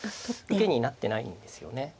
受けになってないんですよね。